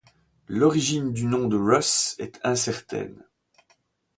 L’origine du nom de Russ est incertaine.